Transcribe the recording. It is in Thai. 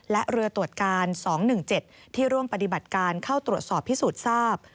และเรือตรวจการ๒๑๗ที่ร่วมปฏิบัติการเข้าตรวจสอบพิสูจน์ทราบ